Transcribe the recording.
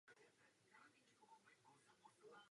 Zachovalo se dokonce i historické foto.